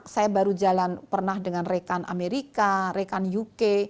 saya baru jalan pernah dengan rekan amerika rekan uk